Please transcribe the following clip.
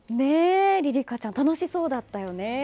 梨里花ちゃん楽しそうだったよね。